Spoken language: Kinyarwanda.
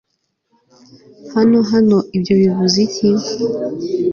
Hano Hano Ibyo bivuze iki